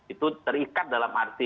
itu terikat dalam arti